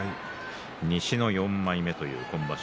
西の４枚目という今場所